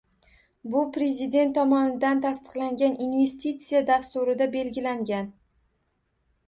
Bu Prezident tomonidan tasdiqlangan investitsiya dasturida belgilangan.